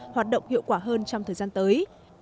hoạt động hiệu quả hơn trong thời gian tới